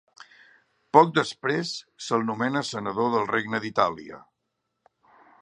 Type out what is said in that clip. Poc després, se'l nomena senador del Regne d'Itàlia.